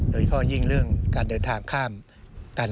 โดยเฉพาะยิ่งเรื่องการเดินทางข้ามกัน